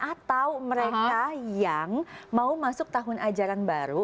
atau mereka yang mau masuk tahun ajaran baru